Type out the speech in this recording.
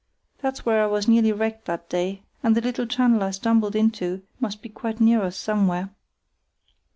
That's where I was nearly wrecked that day, and the little channel I stumbled into must be quite near us somewhere.